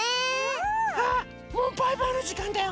ああもうバイバイのじかんだよ。